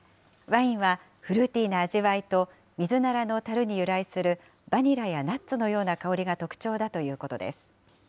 ワインはフルーティーな味わいと、ミズナラのたるに由来するバニラやナッツのような香りが特徴だということです。